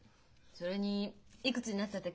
それにいくつになったって